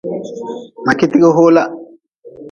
Mngetgi hoola.